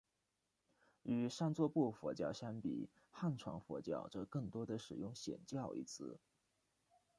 与上座部佛教相比汉传佛教则更多地使用显教一词。